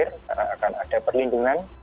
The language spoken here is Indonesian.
karena akan ada perlindungan